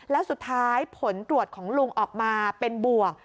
แล้วสุดท้ายผลตรวจของลุงออกมาเป็นบวก